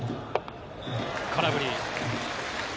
空振り。